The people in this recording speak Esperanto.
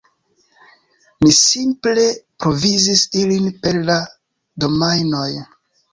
Mi simple provizis ilin per la domajnoj.